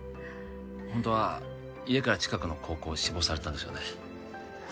ホントは家から近くの高校を志望されてたんですよね